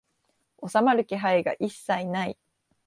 収まる気配が一切ない